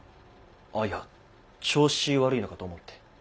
あっいや調子悪いのかと思って。